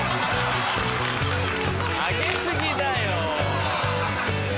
上げ過ぎだよ。